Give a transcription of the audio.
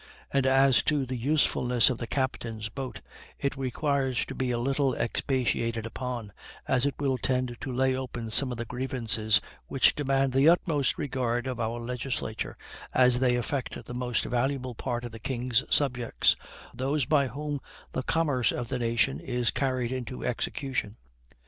And as to the usefulness of the captain's boat, it requires to be a little expatiated upon, as it will tend to lay open some of the grievances which demand the utmost regard of our legislature, as they affect the most valuable part of the king's subjects those by whom the commerce of the nation is carried into execution.